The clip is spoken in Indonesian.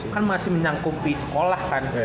kan masih menyangkupi sekolah kan